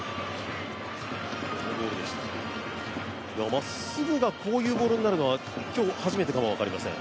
まっすぐがこういうボールになるのは今日初めてかも分かりません。